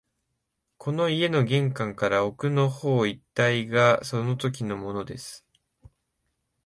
この家の玄関から奥の方一帯がそのときのものです